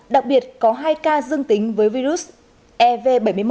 đặc biệt có hai ca dương tính với virus ev bảy mươi một